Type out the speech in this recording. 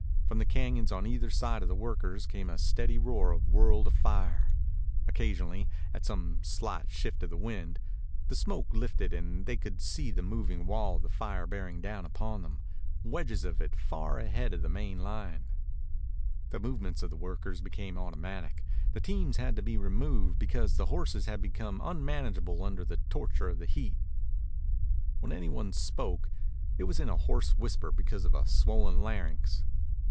From the cañons on either side of the workers came a steady roar of a world afire. Occasionally, at some slight shift of the wind, the smoke lifted and they could see the moving wall of fire bearing down upon them, wedges of it far ahead of the main line. The movements of the workers became automatic. The teams had to be removed because the horses had become unmanageable under the torture of the heat. When any one spoke it was in a hoarse whisper because of a swollen larynx.